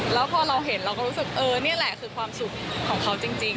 แล้วพอเราเห็นเราก็รู้สึกเออนี่แหละคือความสุขของเขาจริง